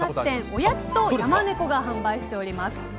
おやつとやまねこが販売しております。